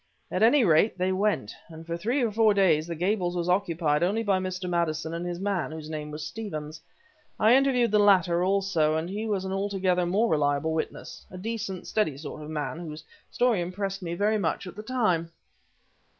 At any rate, they went, and for three or four days the Gables was occupied only by Mr. Maddison and his man, whose name was Stevens. I interviewed the latter also, and he was an altogether more reliable witness; a decent, steady sort of man whose story impressed me very much at the time."